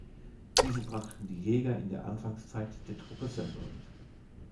Diese brachten die Jäger in der Anfangszeit der Truppe selber mit.